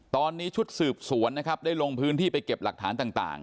ตอนนี้ชุดสืบสวนนะครับได้ลงพื้นที่ไปเก็บหลักฐานต่าง